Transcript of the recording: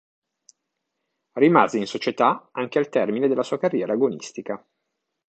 Rimase in società anche al termine della sua carriera agonistica.